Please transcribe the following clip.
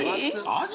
アジ？